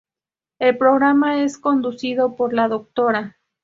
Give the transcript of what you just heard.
El programa es conducido por la Dra.